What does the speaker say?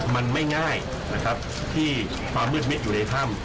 มันไม่ง่ายที่ความมืดมิดอยู่ในท่ำ